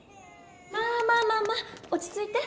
まあまあまあまあおちついて。